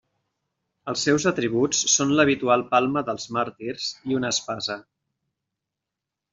Els seus atributs són l'habitual palma dels màrtirs i una espasa.